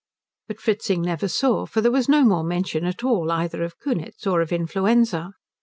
But Fritzing never saw, for there was no more mention at all either of Kunitz or of influenza.